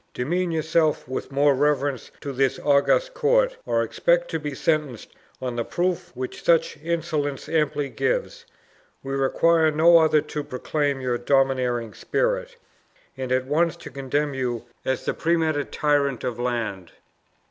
Demean yourself with more reverence to this august court, or expect to be sentenced on the proof which such insolence amply gives; we require no other to proclaim your domineering spirit, and at once to condemn you as the premeditated tyrant of land."